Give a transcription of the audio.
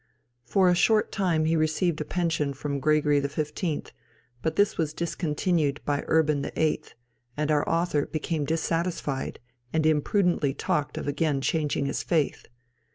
For a short time he received a pension from Gregory XV., but this was discontinued by Urban VIII., and our author became dissatisfied and imprudently talked of again changing his faith.